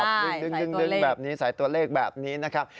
ใช่สายตัวเลขดึงแบบนี้สายตัวเลขแบบนี้นะครับ